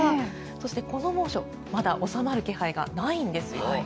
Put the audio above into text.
そして、この猛暑まだ収まる気配がないんですよ。